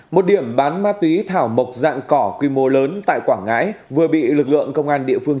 một điểm bán ma túy thảo mộc dạng cỏ quy mô lớn tại quảng ngãi vừa bị lực lượng công an địa phương